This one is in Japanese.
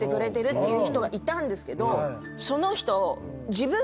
その人。